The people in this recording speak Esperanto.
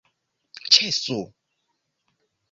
ĉesu